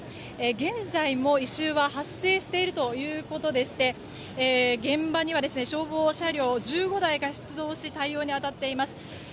現在も異臭は発生しているということでして現場には消防車両１５台が出動し対応に当たっています。